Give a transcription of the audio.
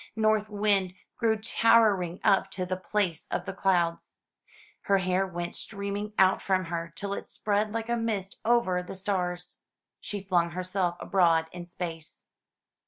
North Wind grew towering up to the place of the clouds. Her hair went streaming out from her, till it spread like a mist over the stars. She flung herself abroad in space.